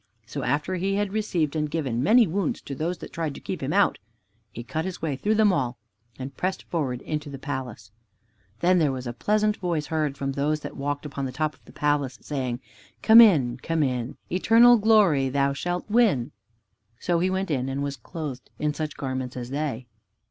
So after he had received and given many wounds to those that tried to keep him out, he cut his way through them all, and pressed forward into the palace. Then there was a pleasant voice heard from those that walked upon the top of the palace, saying: "Come in, come in; Eternal glory thou shalt win." So he went in and was clothed in such garments as they.